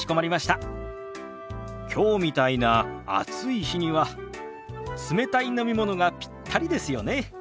きょうみたいな暑い日には冷たい飲み物がピッタリですよね。